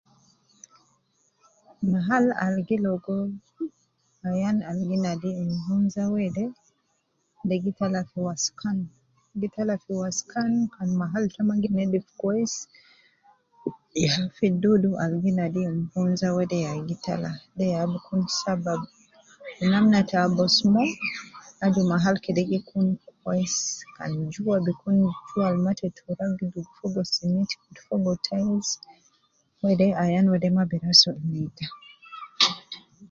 Mahal al gi logo ayan al ginadi nvunza wede de gi tala fi waskan, gi tala fi waskan kan mahal too magi nedifu kwesi, ya fi dudu al ginadi nvunza wede ya gi tala ,de ya bikun sabab ,wu namna ta abus mo aju mahal kede gikun kwesi kan jua bikun jua al ma ta tura, gidugu fogo sementi, kutu fogo tiles, wede ya ayan de mabi rasul neta